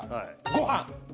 ご飯？